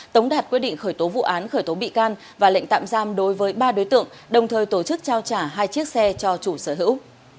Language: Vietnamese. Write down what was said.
tống đạt quyết định khởi tố vụ án khởi tố bị can và lệnh tạm giam đối với ba đối tượng đồng thời tổ chức trao trả hai chiếc xe cho chủ sở hữu